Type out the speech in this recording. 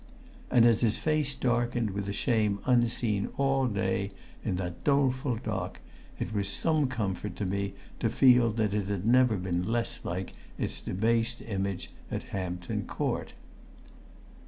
And as his face darkened with a shame unseen all day in that doleful dock, it was some comfort to me to feel that it had never been less like its debased image at Hampton Court.